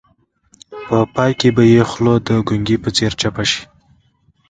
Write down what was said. په پای کې به یې خوله د ګونګي په څېر چپه شي.